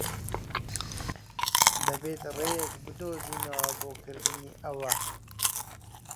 دەبێت ڕێیەک بدۆزینەوە بۆ کردنی ئەوە.